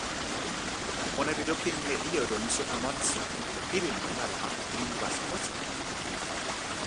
ona li lukin e ijo lon supa monsi. pilin ona la, ni li waso musi!